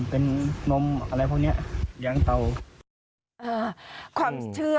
เป็นนมอะไรกับย้างเตา